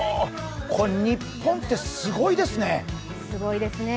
日本ってすごいですね。